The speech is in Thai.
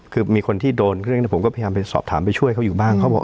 คือมีคนที่โดนเครื่องผมก็พยายามไปสอบถามไปช่วยเขาอยู่บ้างเขาบอก